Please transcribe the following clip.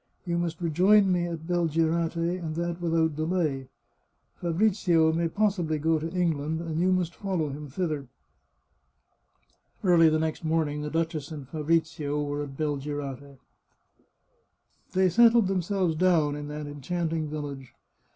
You must rejoin me at Bel girate, and that without any delay. Fabrizio may possibly go to England, and you must follow him thither." 416 The Chartreuse of Parma Early the next morning the duchess and Fabrizio were at Belgirate. They settled themselves down in that enchanting village.